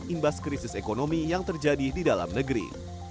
imbas krisis ekonomi yang terjadi di dalam negeri